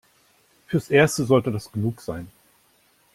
Fürs Erste sollte das genug sein.